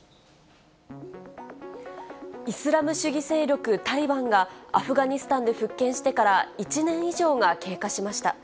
イスラム主義勢力タリバンがアフガニスタンで復権してから、１年以上が経過しました。